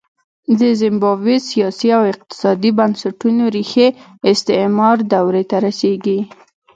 د زیمبابوې سیاسي او اقتصادي بنسټونو ریښې استعمار دورې ته رسېږي.